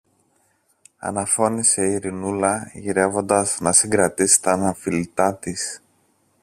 αναφώνησε η Ειρηνούλα, γυρεύοντας να συγκρατήσει τ' αναφιλητά της.